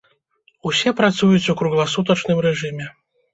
Усе працуюць у кругласутачным рэжыме.